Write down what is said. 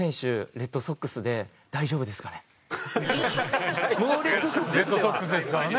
レッドソックスですからね。